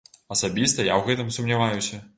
Асабіста я ў гэтым сумняваюся.